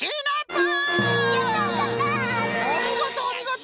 おみごとおみごと。